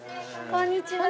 こんにちは。